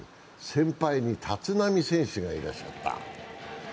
先輩に立浪選手がいらっしゃった。